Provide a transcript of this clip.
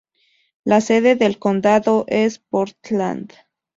La sede del condado es Portland.